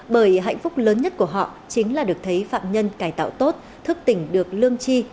bởi hạnh phúc lớn nhất của họ chính là được thấy phạm nhân cải tạo tốt thức tỉnh được lương chi